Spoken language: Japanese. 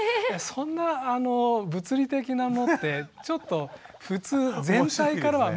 そんな物理的なのってちょっと普通全体からは無理ですから。